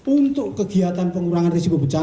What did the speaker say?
untuk kegiatan pengurangan risiko bencana